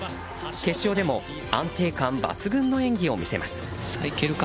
決勝でも安定感抜群の演技を見せます。